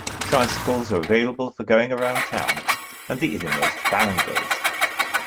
Tricycles are available for going around town and the innermost Barangays.